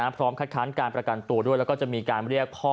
พร้อมคัดค้านการประกันตัวด้วยแล้วก็จะมีการเรียกพ่อ